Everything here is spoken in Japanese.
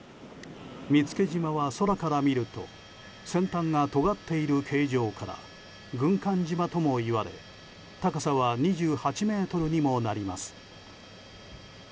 見附島は空から見ると先端がとがっている形状から軍艦島ともいわれ高さは２８ｍにもなります。